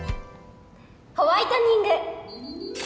ホワイトニング！